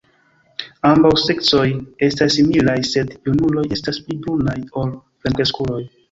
Ambaŭ seksoj estas similaj, sed junuloj estas pli brunaj ol plenkreskuloj.